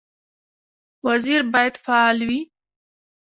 وزیر باید فعال وي